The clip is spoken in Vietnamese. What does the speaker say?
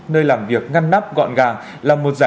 nơi làm việc ngăn nắp gọn gàng